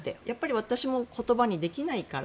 やっぱり私も言葉にできないから。